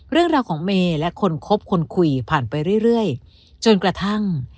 เรื่องราวของเมย์และคนคบคนคุยผ่านไปเรื่อยจนกระทั่ง